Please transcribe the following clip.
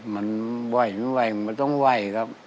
มันไหวไม่ไหวมันต้องไหวครับ